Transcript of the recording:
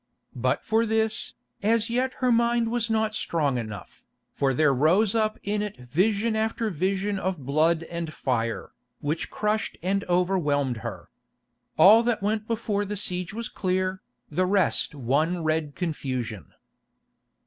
But for this, as yet her mind was not strong enough, for there rose up in it vision after vision of blood and fire, which crushed and overwhelmed her. All that went before the siege was clear, the rest one red confusion.